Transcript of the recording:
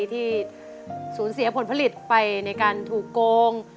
ที่สูญเสียผลผลิตไปในการถูกโกง